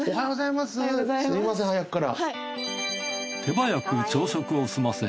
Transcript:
すみません早くから。